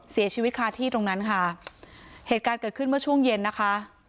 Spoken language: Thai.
เสียชีวิตคาที่ตรงนั้นค่ะเหตุการณ์เกิดขึ้นเมื่อช่วงเย็นนะคะ